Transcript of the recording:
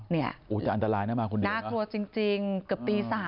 เนี่ยน่ากลัวจริงเกือบปี๓มากอ๋อจะอันตรายนะคุณเดียว